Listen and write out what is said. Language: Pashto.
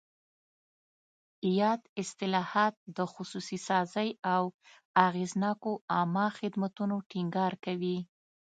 یاد اصلاحات د خصوصي سازۍ او اغېزناکو عامه خدمتونو ټینګار کوي.